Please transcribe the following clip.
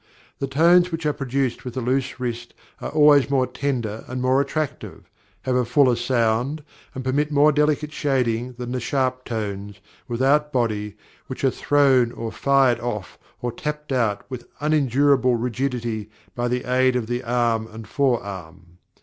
The tones which are produced with a loose wrist are always more tender and more attractive, have a fuller sound, and permit more delicate shading than the sharp tones, without body, which are thrown or fired off or tapped out with unendurable rigidity by the aid of the arm and fore arm.